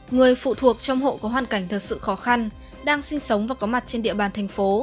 người phụ thuộc trong hộ có hoàn cảnh thật sự khó khăn đang sinh sống và có mặt trên địa bàn thành phố